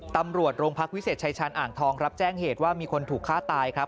ตำรวจโรงพักวิเศษชายชาญอ่างทองรับแจ้งเหตุว่ามีคนถูกฆ่าตายครับ